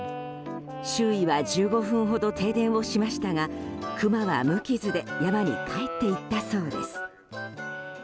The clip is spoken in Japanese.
周囲は１５分ほど停電をしましたがクマは無傷で山に帰っていったそうです。